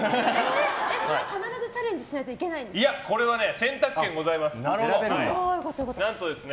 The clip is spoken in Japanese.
これは必ずチャレンジしないといけないんですか。